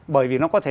bởi vì nó có thể